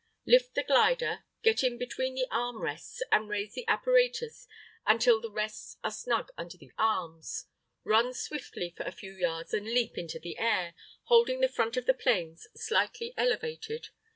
Lift the glider, get in between the arm rests, and raise the apparatus until the rests are snug under the arms. Run swiftly for a few yards and leap into the air, holding the front of the planes slightly elevated.